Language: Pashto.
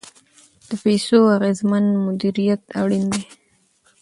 د پیسو اغیزمن مدیریت اړین دی.